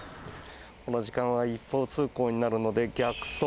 この時間は一方通行になるので逆走。